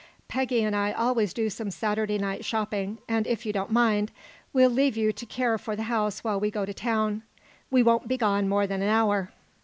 Peggy and I always do some Saturday night shopping, and if you don't mind, we'll leave you to care for the house while we go to town. We won't be gone more than an hour."